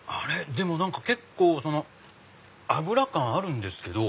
何か結構油感あるんですけど。